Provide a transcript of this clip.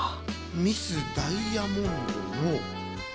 ミス・ダイヤモンドの。